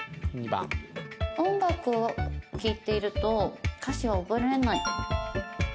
②番音楽を聞いていると歌詞は覚えられない